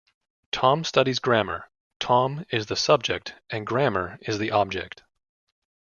"Tom studies grammar" - "Tom" is the subject and "grammar" is the object.